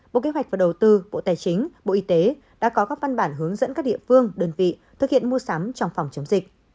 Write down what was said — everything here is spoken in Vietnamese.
bộ kế hoạch và đầu tư bộ tài chính bộ y tế đã có các văn bản hướng dẫn các địa phương đơn vị thực hiện mua sắm trong phòng chống dịch